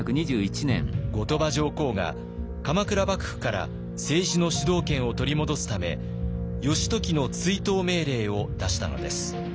後鳥羽上皇が鎌倉幕府から政治の主導権を取り戻すため義時の追討命令を出したのです。